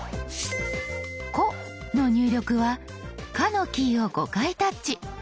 「こ」の入力は「か」のキーを５回タッチ。